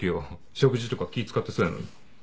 食事とか気使ってそうやのに。